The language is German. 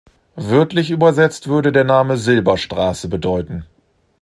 Wörtlich übersetzt würde der Name "Silberstraße" bedeuten.